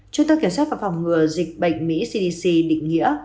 trung tâm kiểm soát và phòng ngừa dịch bệnh mỹ cdc định nghĩa